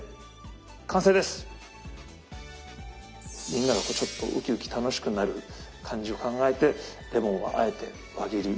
みんながちょっとウキウキ楽しくなる感じを考えてレモンはあえて輪切り。